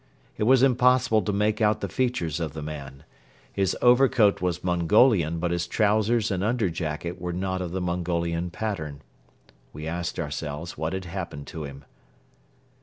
It was impossible to make out the features of the man. His overcoat was Mongolian but his trousers and under jacket were not of the Mongolian pattern. We asked ourselves what had happened to him.